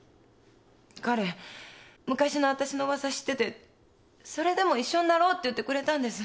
彼昔のわたしの噂知っててそれでも一緒になろうって言ってくれたんです。